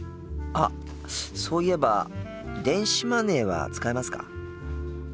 あっそういえば電子マネーは使えますか？